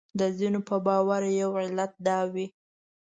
د ځینو په باور یو علت دا وي.